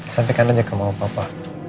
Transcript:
sampaikan aja ke mama papa